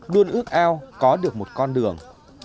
luôn ước eo có được một con đường